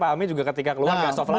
pak amin juga ketika keluar gas off lagi